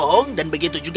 kami datang ke bilik mereka